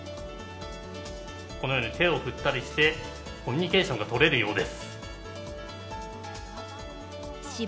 このように手を振ったりして、コミュニケーションがとれるようです。